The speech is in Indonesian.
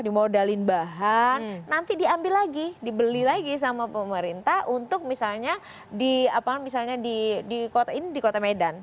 dimodalin bahan nanti diambil lagi dibeli lagi sama pemerintah untuk misalnya di kota medan